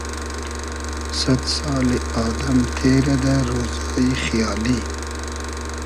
سئد سالی ادئم تېرۂ دۂ رۉزای خیالی